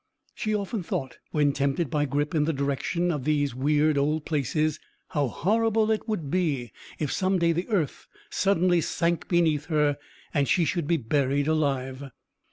She often thought, when tempted by Grip in the direction of these weird old places, how horrible it would be if some day the earth suddenly sank beneath her, and she should be buried alive.